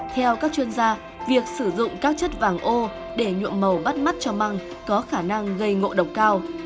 theo các chuyên gia việc sử dụng các chất vàng ô để nhuộm màu bắt mắt cho măng có khả năng gây ngộ độc cao